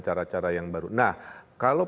cara cara yang baru nah kalau